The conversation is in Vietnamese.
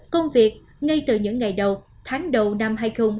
công việc ngay từ những ngày đầu tháng đầu năm hai nghìn hai mươi